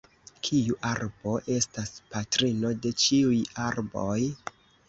Kiu arbo estas patrino de ĉiuj arboj?